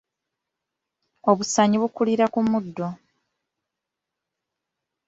Obusaanyi bukulira ku muddo.